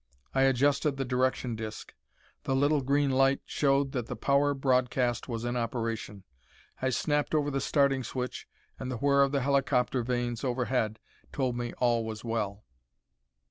I adjusted the direction disk. The little green light showed that the power broadcast was in operation. I snapped over the starting switch and the whir of the helicopter vanes overhead told me all was well.